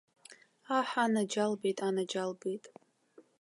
Аҳ, анаџьалбеит, анаџьалбеит.